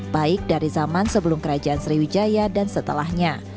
baik dari zaman sebelum kerajaan sriwijaya dan setelahnya